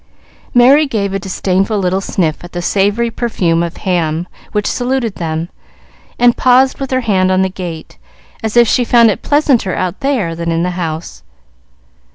Merry gave a disdainful little sniff at the savory perfume of ham which saluted them, and paused with her hand on the gate, as if she found it pleasanter out there than in the house.